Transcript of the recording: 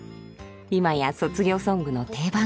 今や卒業ソングの定番。